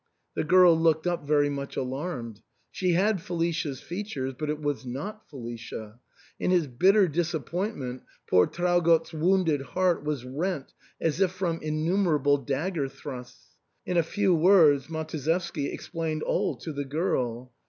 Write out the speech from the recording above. The girl looked up very much alarmed. She had Feli cia's features ; but it was not Felicia In his bitter dis appointment poor Traugott's wounded heart was rent as if from innumerable dagger thrusts. In a few words Matuszewski explained all to the girl.